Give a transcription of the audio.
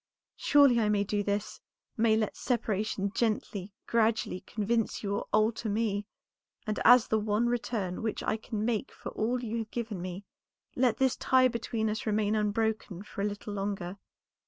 Surely I may do this; may let separation gently, gradually convince you or alter me; and as the one return which I can make for all you have given me, let this tie between us remain unbroken for a little longer.